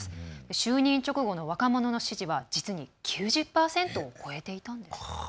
就任直後の若者の支持は実に９０％を超えていたんです。